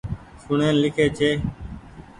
سون ڙين لکي جي۔